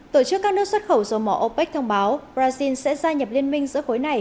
tổ chức các nước xuất khẩu dầu mỏ opec thông báo brazil sẽ gia nhập liên minh giữa khối này